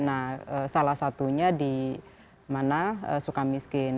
nah salah satunya di mana suka miskin